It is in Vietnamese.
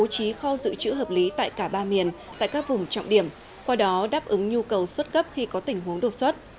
trí kho dự trữ hợp lý tại cả ba miền tại các vùng trọng điểm qua đó đáp ứng nhu cầu xuất cấp khi có tình huống đột xuất